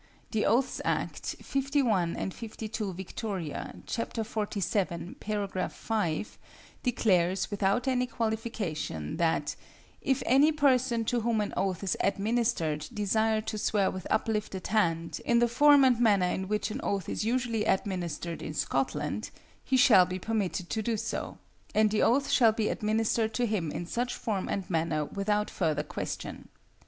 The Oaths Act (51 and 52 Vict., c. 46, § 5) declares, without any qualification, that 'if any person to whom an oath is administered desires to swear with uplifted hand, in the form and manner in which an oath is usually administered in Scotland, he shall be permitted to do so, and the oath shall be administered to him in such form and manner without further question.'